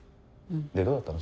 でどうだったの？